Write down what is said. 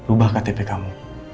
ubah ktp kamu